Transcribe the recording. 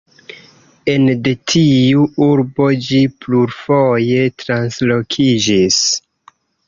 Ene de tiu urbo ĝi plurfoje translokiĝis.